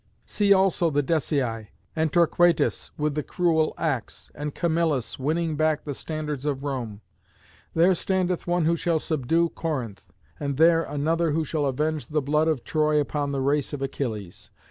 See also the Decii; and Torquatus, with the cruel axe; and Camillus winning back the standards of Rome. There standeth one who shall subdue Corinth; and there another who shall avenge the blood of Troy upon the race of Achilles.